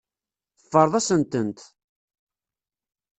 Teffreḍ-asent-tent.